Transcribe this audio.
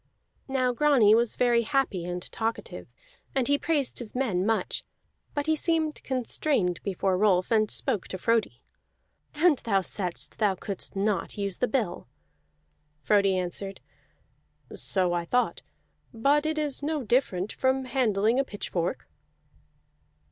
Now Grani was very happy and talkative, and he praised his men much; but he seemed constrained before Rolf, and spoke to Frodi. "And thou saidst thou couldst not use the bill!" Frodi answered, "So I thought, but it is no different from handling a pitchfork."